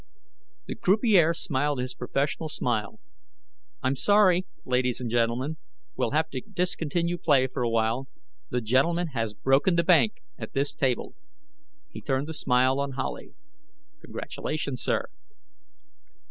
The croupier smiled his professional smile. "I'm sorry, ladies and gentlemen; we'll have to discontinue play for a while. The gentleman has broken the bank at this table." He turned the smile on Howley. "Congratulations, sir."